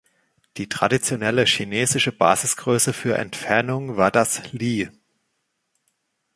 Die traditionelle chinesische Basisgröße für Entfernung war das „Li“.